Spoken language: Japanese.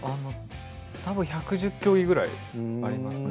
たぶん１１０競技ぐらいありますね。